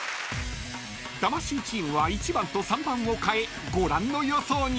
［魂チームは１番と３番を替えご覧の予想に］